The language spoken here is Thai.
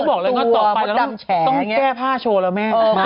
สวัสดีค่ะข้าวใส่ไข่สดใหม่เยอะสวัสดีค่ะ